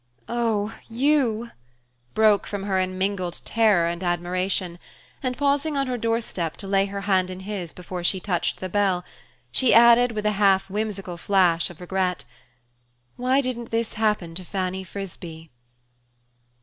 "Oh you!" broke from her in mingled terror and admiration; and pausing on her doorstep to lay her hand in his before she touched the bell, she added with a half whimsical flash of regret: "Why didn't this happen to Fanny Frisbee?"